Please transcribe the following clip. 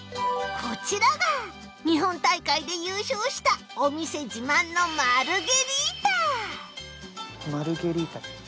こちらが日本大会で優勝したお店自慢のマルゲリータマルゲリータ。